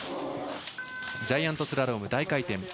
ジャイアントスラローム、大回転。